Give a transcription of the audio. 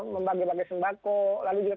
membagi bagi sembako lalu juga